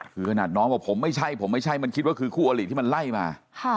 คือขนาดน้องบอกผมไม่ใช่ผมไม่ใช่มันคิดว่าคือคู่อลิที่มันไล่มา